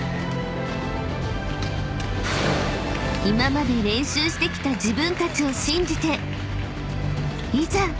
［今まで練習してきた自分たちを信じていざ！］